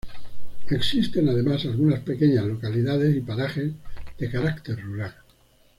Existen además algunas pequeñas localidades y parajes de carácter rural.